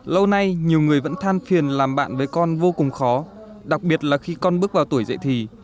lâu nay nhiều người vẫn than phiền làm bạn với con vô cùng khó đặc biệt là khi con bước vào tuổi dậy thì